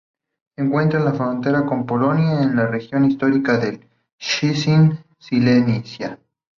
Se encuentra en la frontera con Polonia, en la región histórica de Cieszyn Silesia.